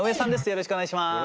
よろしくお願いします。